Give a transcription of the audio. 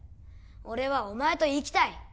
俺はお前と生きたい